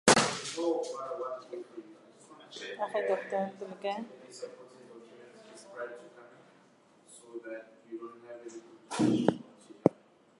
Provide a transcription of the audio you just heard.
She is currently the youngest elected member of parliament.